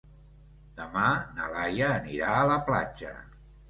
Demà na Laia anirà a la platja.